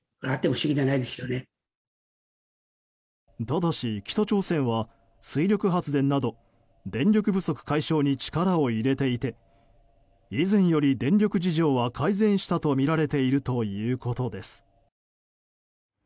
ただし北朝鮮は、水力発電など電力不足解消に力を入れていて以前より電力事情は改善したとみられているということです。